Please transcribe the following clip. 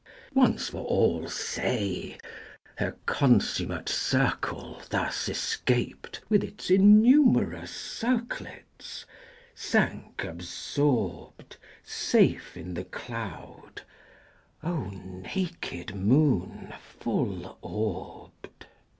. once for all, Say her consummate circle thus escaped With its innumerous circlets, sank absorbed, Safe in the cloud O naked Moon full orbed!